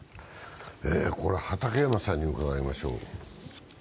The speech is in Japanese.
これは、畠山さんに伺いましょう。